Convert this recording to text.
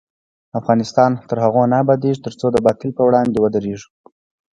افغانستان تر هغو نه ابادیږي، ترڅو د باطل پر وړاندې ودریږو.